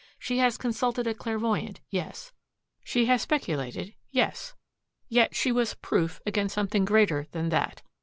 She has consulted a clairvoyant yes. She has speculated yes. Yet she was proof against something greater than that.